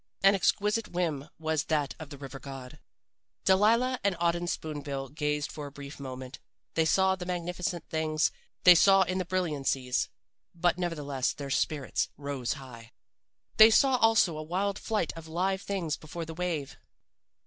"An exquisite whim, was that of the river god. "Delilah and Auden Spoon bill gazed for a brief moment. They saw the magnificent things. They saw death in the brilliancies, but nevertheless their spirits rose high. They saw also a wild flight of live things before the wave.